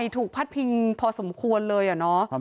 ถูกพาตีพิงพอสมมควรเลยหรอนะ